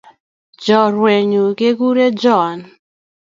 Chorwenyun kekure Joan.